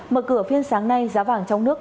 mở cửa phiên sáng nay giá vàng trong nước